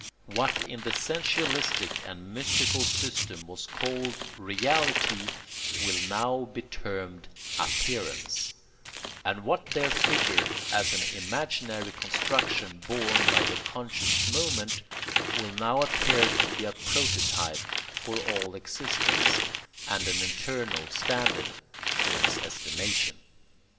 What in the sensualistic or mystical system was called reality will now be termed appearance, and what there figured as an imaginary construction borne by the conscious moment will now appear to be a prototype for all existence and an eternal standard for its estimation.